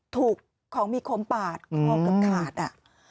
ถูกของมีโคมปาดโคมกับขาดน่ะ